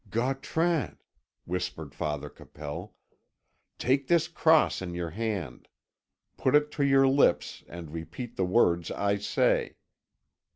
"Gautran," whispered Father Capel, "take this cross in your hand; put it to your lips and repeat the words I say.